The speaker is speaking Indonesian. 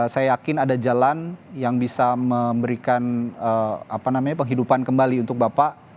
saya yakin ada jalan yang bisa memberikan penghidupan kembali untuk bapak